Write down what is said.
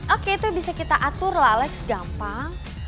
oke itu bisa kita atur lah alex gampang